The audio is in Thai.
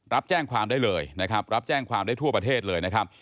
รับแจ้งความได้เลยนะครับรับแจ้งความได้ทั่วประเทศเลยนะครับ